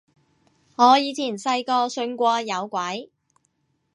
我以前細個信過有鬼